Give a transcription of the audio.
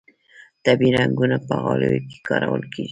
طبیعي رنګونه په غالیو کې کارول کیږي